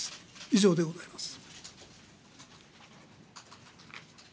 以上でございます。